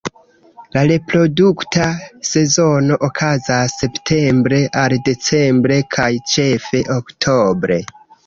La reprodukta sezono okazas septembre al decembre, kaj ĉefe oktobre.